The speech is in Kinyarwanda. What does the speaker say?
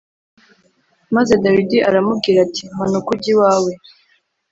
Maze Dawidi aramubwira ati Manuka ujye iwawe